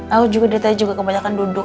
aku juga dari tadi juga kebanyakan duduk